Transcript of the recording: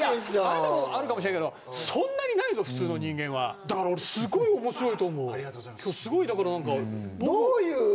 あなたもあるかもしれないけどそんなにないぞ普通の人間はだから俺すごい面白いと思うありがとうございます